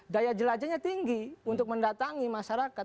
daya jelajahnya tinggi untuk mendatangi masyarakat